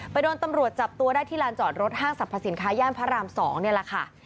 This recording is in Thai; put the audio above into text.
โดนตำรวจจับตัวได้ที่ลานจอดรถห้างสรรพสินค้าย่านพระราม๒นี่แหละค่ะ